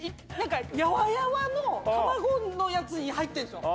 やわやわの卵のやつに入ってるんですよ。